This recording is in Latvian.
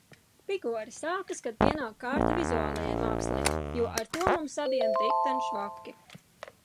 Pigori sākas, kad pienāk kārta vizuālajai mākslai, jo ar to mums abiem dikten švaki.